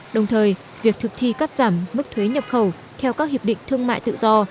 đồng thời việc thực thi cắt giảm mức thuế nhập khẩu theo các hiệp định thương mại tự do